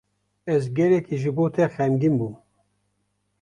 Ez gelekî ji bo te xemgîn bûm.